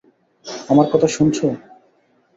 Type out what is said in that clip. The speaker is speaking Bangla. আমার কথা শুনছ?